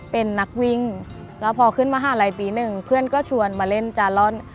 เป็นนักวิ่งแล้วพอขึ้นมหาลัยปีหนึ่งเพื่อนก็ชวนมาเล่นจาร่อน